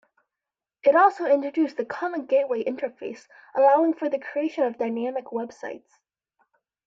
It also introduced the Common Gateway Interface, allowing for the creation of dynamic websites.